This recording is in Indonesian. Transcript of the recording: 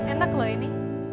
enak loh ini